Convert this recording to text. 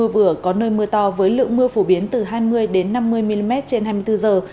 mưa vừa có nơi mưa to với lượng mưa phổ biến từ hai mươi năm mươi mm trên hai mươi bốn giờ